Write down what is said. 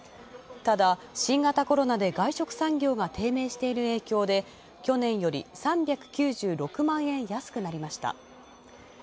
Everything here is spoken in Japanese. ただ、新型コロナで外食産業が低迷している影響で、去年より３９６万円安くなりました。